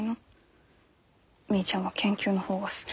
みーちゃんは研究の方が好きって。